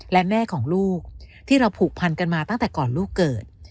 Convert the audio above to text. และแม่ของลูกที่เราผูกพันกันมาตั้งแต่ก่อนลูกเกิด